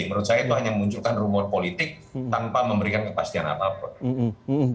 menurut saya itu hanya memunculkan rumor politik tanpa memberikan kepastian apapun